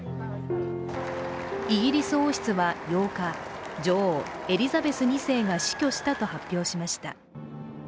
イギリス王室は８日、女王・エリザベス２世が死去したと発表しました。